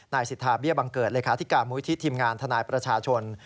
นายศิษฐาเบี้ยบังเกิดหรือค้าทิกาหมุยทิศทีมงานทนายประชาชน